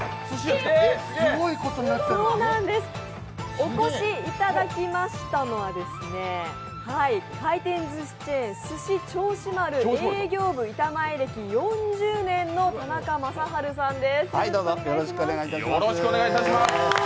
お越しいただきましたのは、回転ずしチェーン・すし銚子丸、営業部板前歴４０年の田中政春さんです。